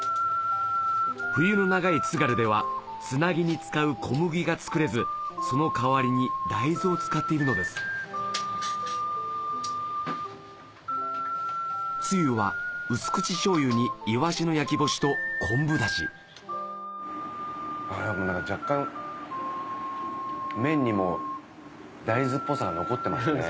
冬の長い津軽ではつなぎに使う小麦が作れずその代わりに大豆を使っているのですつゆは薄口醤油にイワシの焼き干しと昆布だしでも何か若干麺にも大豆っぽさが残ってますね。